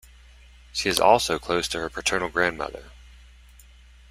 She is also close to her paternal grandmother.